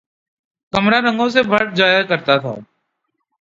کمرا رنگوں سے بھر جایا کرتا تھا